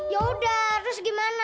yaudah terus gimana